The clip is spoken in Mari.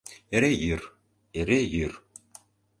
Эре йӱр, эре йӱр.